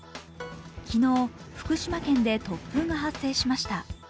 昨日、福島県で突風が発生しました